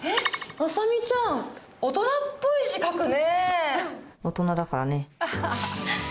あさみちゃん、大人っぽい字書くね。